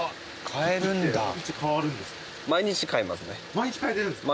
毎日変えてるんですか？